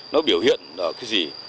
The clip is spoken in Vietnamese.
nó biểu hiện cái gì